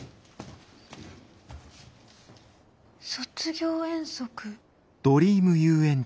卒業遠足。